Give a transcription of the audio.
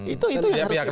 itu yang harus dikatakan